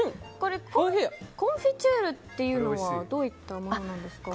コンフィチュールというのはどういったものなんですか？